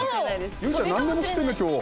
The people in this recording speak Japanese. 結実ちゃんなんでも知ってんね、今日。